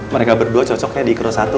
mereka berdua cocoknya di kelas satu